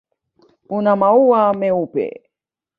Una maua meupe.